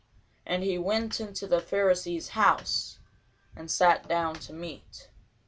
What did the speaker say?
And he went into the Pharisee's house, and sat down to meat.